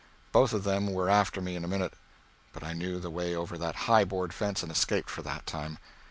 Both of them were after me in a minute, but I knew the way over that high board fence and escaped for that time.